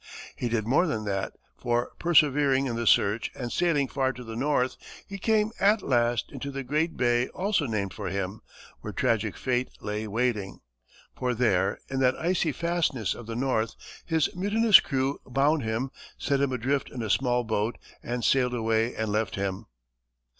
He did more than that, for, persevering in the search and sailing far to the north, he came, at last, into the great bay also named for him, where tragic fate lay waiting. For there, in that icy fastness of the north, his mutinous crew bound him, set him adrift in a small boat, and sailed away and left him.